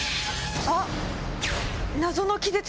あっ！